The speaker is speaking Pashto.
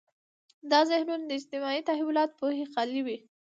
دا ذهنونه د اجتماعي تحولاتو پوهې خالي وي.